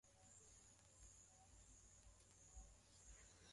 Haraka akaenda kwenye jokofu la vinywaji lililokua chumbani humo